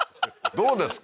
どうですか？